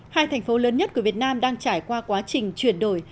hai thành phố lớn nhất của việt nam đang trải qua quá trình chuyển đổi